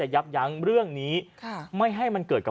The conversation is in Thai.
ชาวบ้านญาติโปรดแค้นไปดูภาพบรรยากาศขณะ